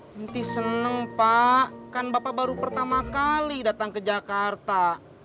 henti senang pak kan bapak baru pertama kali datang ke jakarta